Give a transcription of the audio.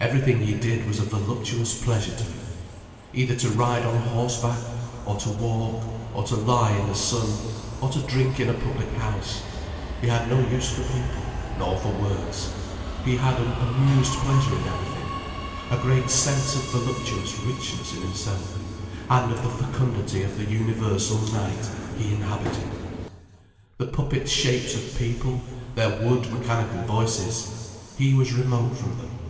Everything he did was a voluptuous pleasure to him—either to ride on horseback, or to walk, or to lie in the sun, or to drink in a public house. He had no use for people, nor for words. He had an amused pleasure in everything, a great sense of voluptuous richness in himself, and of the fecundity of the universal night he inhabited. The puppet shapes of people, their wood mechanical voices, he was remote from them.